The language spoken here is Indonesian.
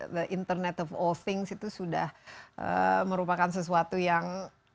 the internet of all things itu sudah merupakan sesuatu yang